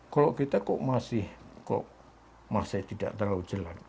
kalau kita kok masih tidak terlalu jelas